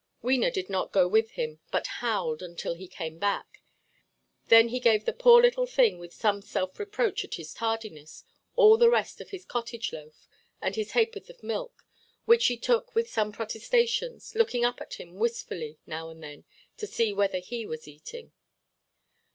Wena did not go with him, but howled until he came back. Then he gave the poor little thing, with some self–reproach at his tardiness, all the rest of his cottage loaf, and his haʼporth of milk, which she took with some protestations, looking up at him wistfully now and then, to see whether he was eating.